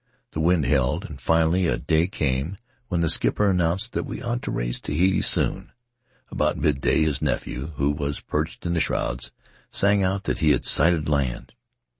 The wind held, and finally a day came when the skipper announced that we ought to raise Tahiti soon. About midday his nephew, who was perched in the shrouds, sang out that he had sighted land.